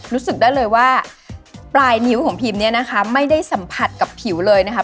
รู้สึกได้เลยว่าปลายนิ้วของพิมเนี่ยนะคะไม่ได้สัมผัสกับผิวเลยนะคะ